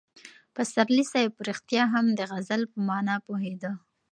پسرلي صاحب په رښتیا هم د غزل په مانا پوهېده.